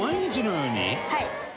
はい。